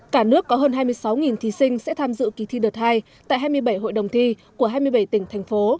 cả nước có hơn hai mươi sáu thí sinh sẽ tham dự kỳ thi đợt hai tại hai mươi bảy hội đồng thi của hai mươi bảy tỉnh thành phố